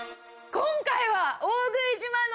今回は。